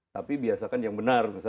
tapi biasakan yang benar